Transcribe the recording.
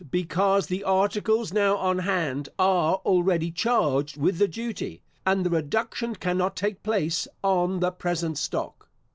Because the articles now on hand are already charged with the duty, and the reduction cannot take place on the present stock.